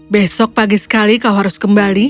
besok pagi sekali kau harus kembali